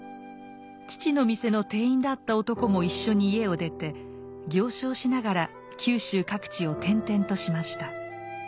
父の店の店員だった男も一緒に家を出て行商しながら九州各地を転々としました。